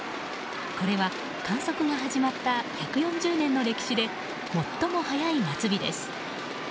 これは観測が始まった１４０年の歴史で最も早い夏日です。